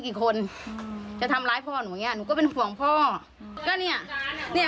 กี่คนจะทำร้ายพ่อหนูอย่างเงี้หนูก็เป็นห่วงพ่อก็เนี่ยเนี้ยเนี้ยเนี้ย